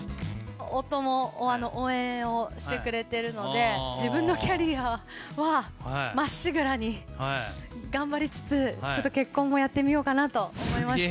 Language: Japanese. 夫も応援をしてくれてるので、自分のキャリアはまっしぐらに頑張りつつ、ちょっと結婚もやってみようかなと思いました。